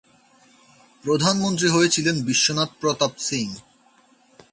প্রধান মন্ত্রী হয়েছিলেন বিশ্বনাথ প্রতাপ সিং।